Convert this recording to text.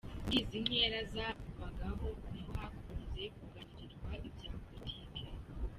Muri izi nkera z’abagabo niho hakunze kuganirirwa ibya politiki.